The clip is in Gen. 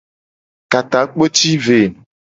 Ka takpo ci ve.